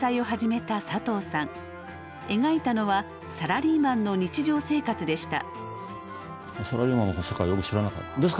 描いたのはサラリーマンの日常生活でした。